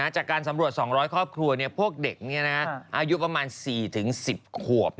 จากการสำรวจ๒๐๐ครอบครัวพวกเด็กอายุประมาณ๔๑๐ขวบ